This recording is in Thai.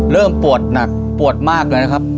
ปวดหนักปวดมากเลยนะครับ